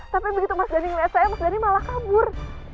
tapi begitu mas dhani melihat saya mas dhani malah kabur